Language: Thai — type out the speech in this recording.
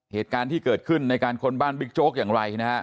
เหตุการณ์ที่เกิดขึ้นในการค้นบ้านบิ๊กโจ๊กอย่างไรนะฮะ